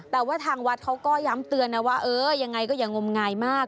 แต่ว่าทางวัดเขาก็ย้ำเตือนนะว่าเออยังไงก็อย่างมงายมาก